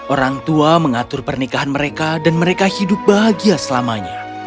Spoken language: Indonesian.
orang tua mengatur pernikahan mereka dan mereka hidup bahagia selamanya